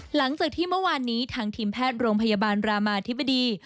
หลังจากที่เมื่อวานนี้ทางทีมแพทย์โรงพยาบาลรามาธิบดี